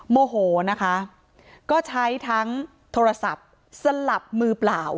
โมโหนะคะก็ใช้ทั้งโทรศัพท์สลับมือเปล่า